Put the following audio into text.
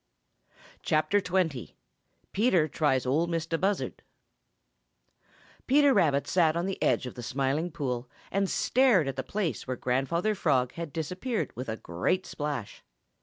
XX. PETER TRIES OL' MISTAH BUZZARD |PETER RABBIT sat on the edge of the Smiling Pool and stared at the place where Grandfather Frog had disappeared with a great splash.